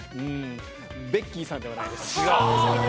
ベッキーさんではないです。